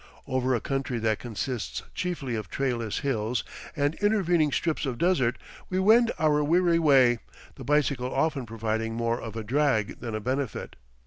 Over a country that consists chiefly of trailless hills and intervening strips of desert, we wend our weary way, the bicycle often proving more of a drag than a benefit.